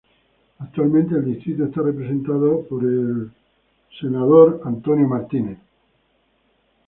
Actualmente el distrito está representado por el republicano Morgan Griffith.